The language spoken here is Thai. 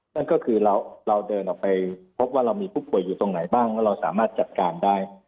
นั่นก็คือเราเดินออกไปพบว่าเรามีผู้ป่วยอยู่ตรงไหนบ้างแล้วเราสามารถจัดการได้